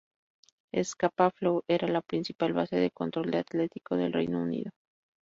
Scapa Flow era la principal base de control del Atlántico del Reino Unido.